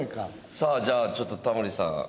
さあじゃあちょっとタモリさん。